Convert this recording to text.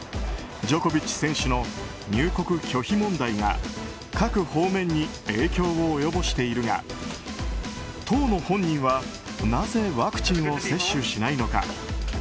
ジョコビッチ選手の入国拒否問題が各方面に影響を及ぼしているが当の本人はなぜワクチンを接種しないのか。